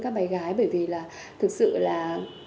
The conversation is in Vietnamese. các bà gái bởi vì là thực sự là